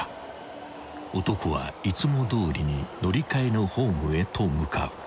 ［男はいつもどおりに乗り換えのホームへと向かう］